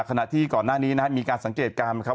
ขณะที่ก่อนหน้านี้นะครับมีการสังเกตการณ์นะครับ